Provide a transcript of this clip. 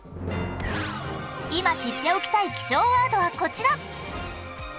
今知っておきたい気象ワードはこちら。